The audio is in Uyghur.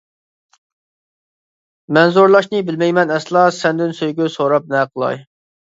مەن زورلاشنى بىلمەيمەن ئەسلا، سەندىن سۆيگۈ سوراپ نە قىلاي.